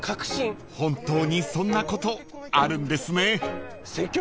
［本当にそんなことあるんですね］